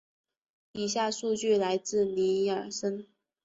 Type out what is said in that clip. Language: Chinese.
以下数据来自尼尔森。